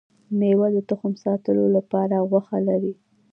ميوه د تخم ساتلو لپاره غوښه لري